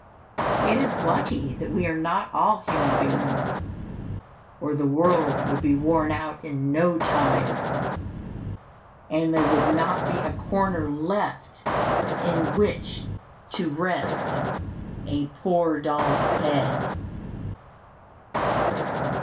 It is lucky that we are not all human beings, or the world would be worn out in no time, and there would not be a corner left in which to rest a poor doll's head."